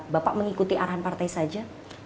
bapak mengikuti arahan partai saja